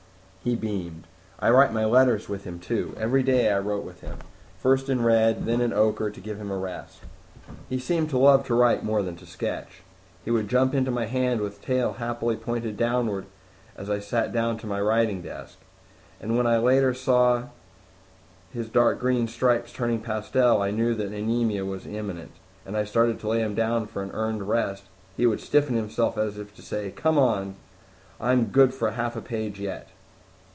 He beamed. "I write my letters with him too. Every day I wrote with him, first in red, and then in ochre to give him a rest. He seemed to love to write more than to sketch. He would jump into my hand with tail happily pointed downward as I sat down to my writing desk. And when I later saw his dark green stripes turning pastel and knew that anemia was imminent, and started to lay him down for a earned rest, he would stiffen himself as if to say, 'Oh, come, come! I'm good for half a page yet!'"